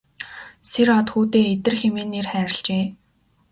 Сэр-Од хүүдээ Идэр хэмээн нэр хайрлажээ.